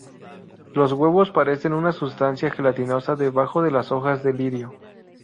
Los huevos parecen una sustancia gelatinosa debajo de las hojas de lirio.